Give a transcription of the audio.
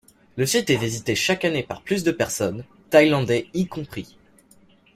Le site est visité chaque année par plus de personnes, thaïlandais y compris.